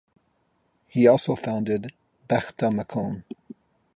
He also founded Bechtel-McCone.